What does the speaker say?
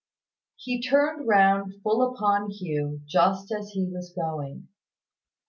He turned round full upon Hugh, just as he was going.